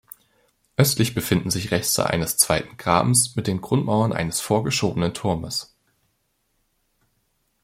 Östlich befinden sich Reste eines zweiten Grabens mit den Grundmauern eines vorgeschobenen Turmes.